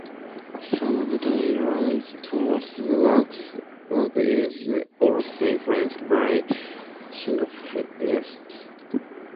Some of Dylan Thomas's work is also influenced by cynghanedd.